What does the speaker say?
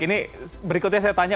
ini berikutnya saya tanya